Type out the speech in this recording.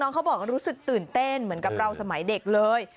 เขาบอกว่ารู้สึกตื่นเต้นเหมือนกับเราสมัยเด็กเลย